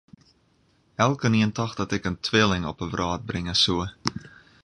Elkenien tocht dat ik in twilling op 'e wrâld bringe soe.